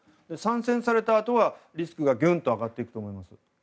３選されたあとはリスクがぐんと上がると思います。